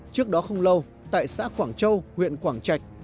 trước đó không lâu tại xã quảng châu huyện quảng trạch